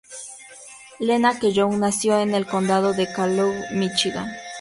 Lena Kellogg nació en el Condado de Calhoun, Míchigan.